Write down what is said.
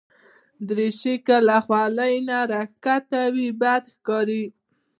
دریشي که له خولې نه راښکته وي، بد ښکاري.